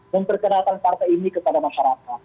memperkenalkan partai ini kepada masyarakat